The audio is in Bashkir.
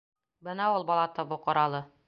— Бына ул бала табыу ҡоралы.